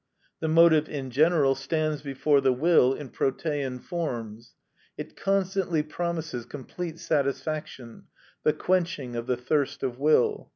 The motive in general stands before the will in protean forms. It constantly promises complete satisfaction, the quenching of the thirst of will.